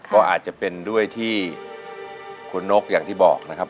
ก็อาจจะเป็นด้วยที่คุณนกอย่างที่บอกนะครับ